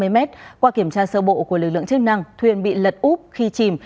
bốn mươi năm năm mươi mét qua kiểm tra sơ bộ của lực lượng chức năng thuyền bị lật úp khi chìm